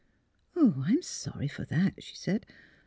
"I'm sorry for that," she said.